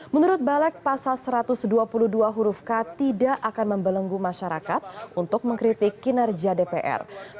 menurut balek pasal satu ratus dua puluh dua huruf k tidak akan membelenggu masyarakat untuk mengkritik kinerja dpr